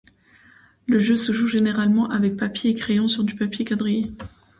Le jeu se joue généralement avec papier et crayon sur du papier quadrillé.